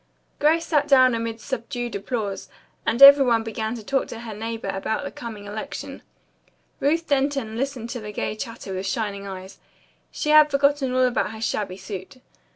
Grace sat down amid subdued applause, and every one began talking to her neighbor about the coming election. Ruth Denton listened to the gay chatter with shining eyes. She had forgotten all about her shabby suit.